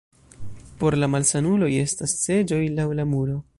Por la malsanuloj estas seĝoj laŭ la muro.